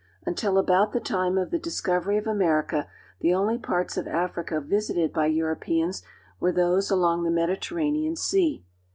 Until about the time of the discovery of America the only parts of Africa visited by Europeans were those along the Mediterranean Sea.